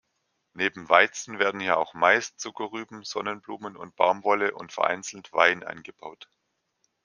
Neben Weizen werden hier auch Mais, Zuckerrüben, Sonnenblumen und Baumwolle und vereinzelt Wein angebaut.